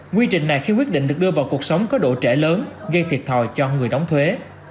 quy trình này khi quyết định được đưa vào cuộc sống có độ trẻ lớn gây thiệt thòi cho người đóng thuế